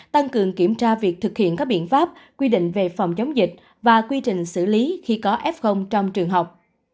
tăng cường kiểm tra việc thực hiện các biện pháp quy định về phòng chống dịch và quy trình xử lý khi có f trong trường học